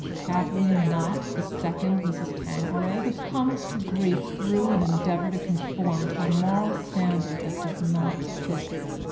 Have we not the ''Second Mrs. Tanquera/* who comes to grief through an endeavor to conform to a moral standard that does not fit?